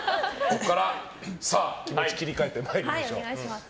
気持ち切り替えてまいりましょう。